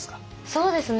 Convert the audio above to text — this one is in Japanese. そうですね